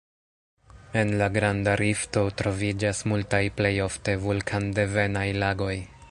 En la Granda Rifto troviĝas multaj plej ofte vulkandevenaj lagoj.